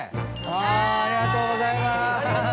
ありがとうございます。